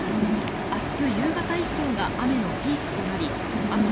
明日夕方以降が雨のピークとなり明日